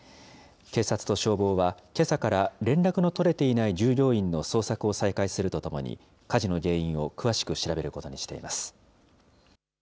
警察と消防は、けさから連絡の取れていない従業員の捜索を再開するとともに、火事の原因を詳しく調べることにしています。